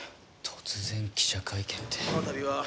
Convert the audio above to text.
突然記者会見って。